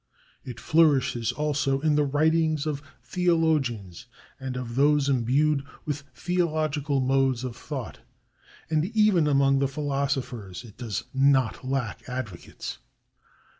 It flourishes also in the writings of theologians and of those imbued with theological modes of thought, and even among the philosophers it does not lack advocates.